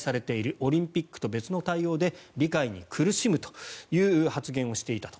オリンピックと別の対応で理解に苦しむという発言をしていたと。